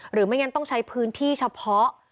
หรือไม่อย่างนั้นต้องใช้พื้นที่เฉพาะ